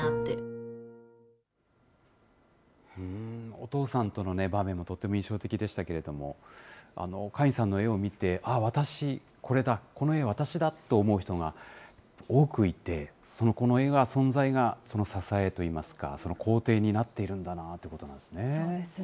お父さんとの場面も、とても印象的でしたけれども、カインさんの絵を見て、ああ、私、これだ、この絵、私だと思う人が、多くいて、そのこの絵の存在がその支えといいますか、その肯定になっているんだなということですね。